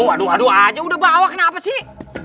aduh aduh aja udah bawa kenapa sih